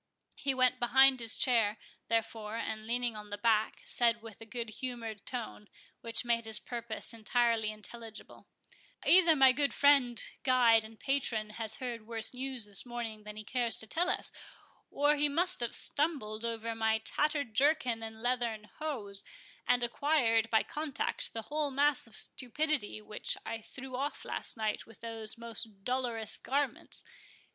He went behind his chair, therefore, and, leaning on the back, said with a good humoured tone, which made his purpose entirely intelligible,— "Either my good friend, guide, and patron, has heard worse news this morning than he cares to tell us, or he must have stumbled over my tattered jerkin and leathern hose, and acquired, by contact, the whole mass of stupidity which I threw off last night with those most dolorous garments.